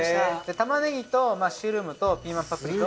玉ねぎとマッシュルームとピーマンパプリカは。